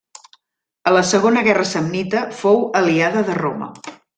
A la segona guerra samnita fou aliada de Roma.